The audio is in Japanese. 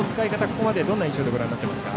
ここまでどんな印象でご覧になっていますか。